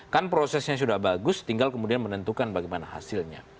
kan prosesnya sudah bagus tinggal kemudian menentukan bagaimana hasilnya